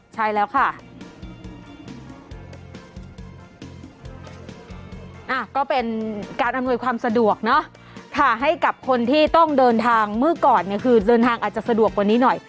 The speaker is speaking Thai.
ใช่แล้วค่ะก็เป็นการอำนวยความสะดวกเนอะค่ะให้กับคนที่ต้องเดินทางเมื่อก่อนเนี่ยคือเดินทางอาจจะสะดวกกว่านี้หน่อย